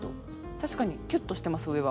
確かにキュッとしてます上は。